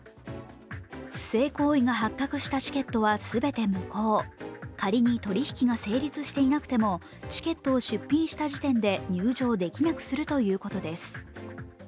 不正行為が発覚したチケットは全て無効仮に取り引きが成立していなくても、チケットを出品した時点で入場できなくするということです。